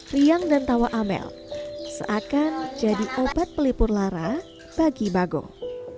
riang dan tawa amel seakan jadi obat pelipur lara bagi bagong